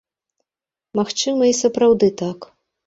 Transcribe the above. Магчыма, і сапраўды так.